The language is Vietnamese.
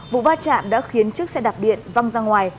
vụ va chạm đã khiến chiếc xe đạp điện văng ra ngoài